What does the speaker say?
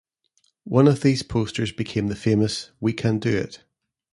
One of these posters became the famous We Can Do It!